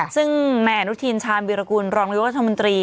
ซึ่งแม่อนุทินชาญวิรกุลรองรยุรัฐมนตรี